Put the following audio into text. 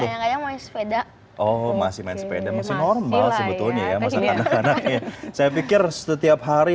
main sepeda oh masih main sepeda masih normal sebetulnya ya masa anak anaknya saya pikir setiap hari